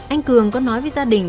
anh cường có nói với gia đình